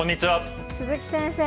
鈴木先生